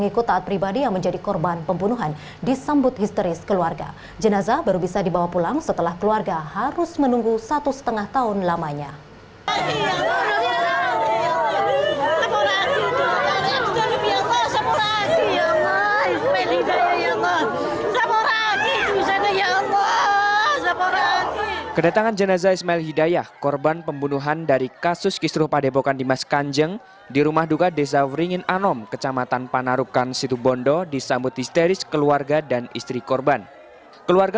kedatangan jenazah ismail hidayah pengikut taat pribadi yang menjadi korban pembunuhan disambut histeris keluarga